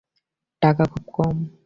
টাকা খুব কম।